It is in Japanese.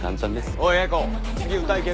おい英子次歌いけるか？